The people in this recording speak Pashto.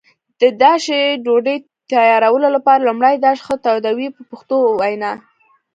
د داشي ډوډۍ تیارولو لپاره لومړی داش ښه تودوي په پښتو وینا.